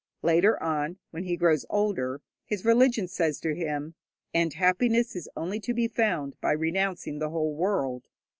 Later on, when he grows older, his religion says to him, 'And happiness is only to be found by renouncing the whole world.'